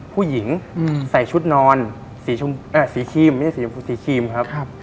ผู้หญิงใส่ชุดนอนสีชมเออสีครีมไม่ใช่สีชมสีครีมครับครับ